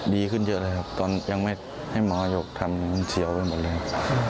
ดีขึ้นเยอะเลยครับตอนยังไม่ให้หมอยกทำเฉียวไปหมดเลย